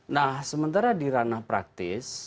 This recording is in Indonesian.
nah sementara di ranah praktis